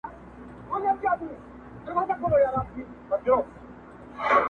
نامردان دمیړو لار وهي.